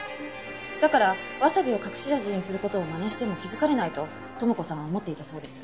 だからわさびを隠し味にする事をまねしても気づかれないと友子さんは思っていたそうです。